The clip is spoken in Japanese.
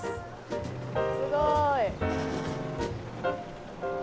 すごい。